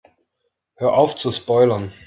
Hör auf zu spoilern!